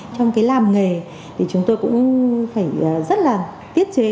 trong cái làm nghề thì chúng tôi cũng phải rất là tiết chế